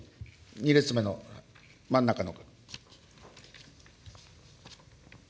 ２列目の真ん中の。